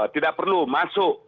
tidak perlu masuk